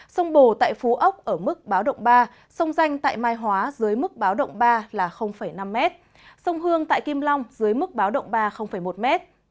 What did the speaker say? sông bồ tại phú ốc ở mức báo động ba sông danh tại mai hóa dưới mức báo động ba là năm m sông hương tại kim long dưới mức báo động ba một m